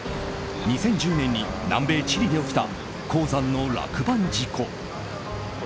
２０１０年に南米チリで起きた鉱山の落盤事故。